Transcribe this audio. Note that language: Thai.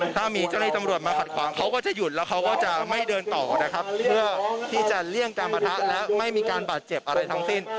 ถ้ามีเจ้าหน้าที่ตำรวจมาขัดขวางเขาก็จะหยุดแล้วเขาก็จะไม่เดินต่อนะครับเพื่อที่จะเลี่ยงการประทะและไม่มีการบาดเจ็บอะไรทั้งสิ้น